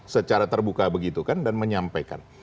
secara terbuka begitu kan dan menyampaikan